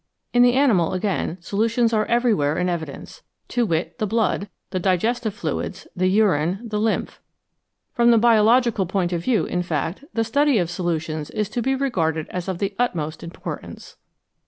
In the animal, again, solutions are every where in evidence to wit, the blood, the digestive fluids, the urine, the lymph. From the biological point of view, in fact, the study of solutions is to be regarded as of the utmost importance.